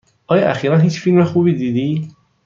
آیا اخیرا هیچ فیلم خوبی دیدی؟